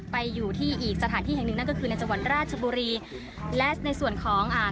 ไปอยู่ที่อีกสถานที่แห่งหนึ่งนั่นก็คือในจังหวัดราชบุรีและในส่วนของอ่า